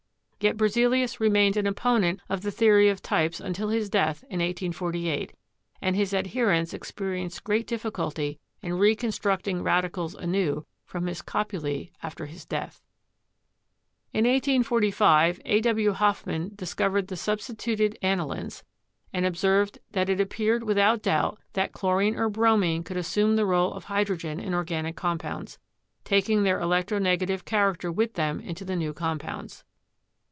Yet Berzelius remained ORGANIC CHEMISTRY 235 an opponent of the theory of types until his death in 1848, and his adherents experienced great difficulty in recon structing radicals anew from his copulae after his death. In 1845, A. W. Hofmann discovered the substituted ani lines, and observed that it appeared without doubt that chlorine or bromine could assume the role of hydrogen in organic compounds, taking their electro negative charac ter with them into the new compounds.